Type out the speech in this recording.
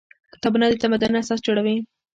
کتابونه د تمدن اساس جوړوي.